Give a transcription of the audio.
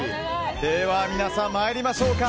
では皆さん、参りましょうか。